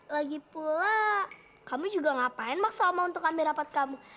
lagipula kamu juga ngapain maksa oma untuk ambil rapat kamu